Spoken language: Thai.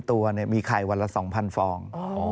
ตัวมีไข่วันละ๒๐๐ฟอง